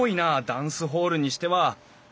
ダンスホールにしては。